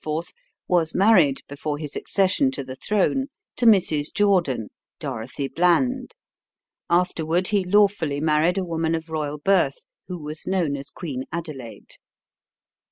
was married, before his accession to the throne, to Mrs. Jordan (Dorothy Bland). Afterward he lawfully married a woman of royal birth who was known as Queen Adelaide.